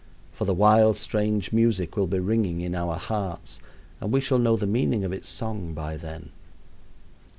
For the wild, strange music will be ringing in our hearts, and we shall know the meaning of its song by then.